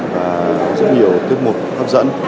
và rất nhiều tiết mục hấp dẫn